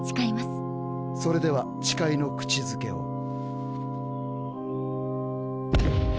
それでは誓いの口づけを。